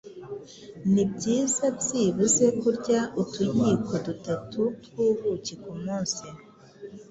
ni byiza byibuze kurya utuyiko dutatu tw’ubuki ku munsi